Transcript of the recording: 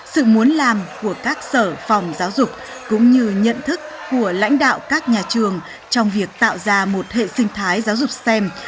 sự muốn làm của các sở phòng giáo dục cũng như nhận thức của lãnh đạo các nhà trường trong việc tạo ra một hệ sinh thái giáo dục stem